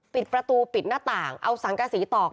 ปิดประตูปิดหน้าต่างเอาสังกษีตอก